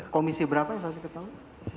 komisi berapa yang saksi ketahui